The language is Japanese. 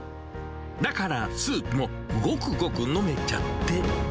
だからスープもごくごく飲めちゃって。